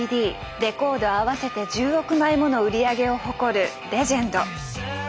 レコード合わせて１０億枚もの売り上げを誇るレジェンド。